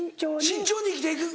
慎重に生きて行く？